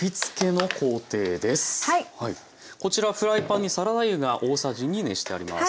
こちらフライパンにサラダ油が大さじ２熱してあります。